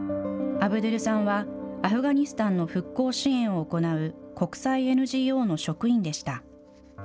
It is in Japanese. アブドゥルさんは、アフガニスタンの復興支援を行う国際ＮＧＯの職員でした。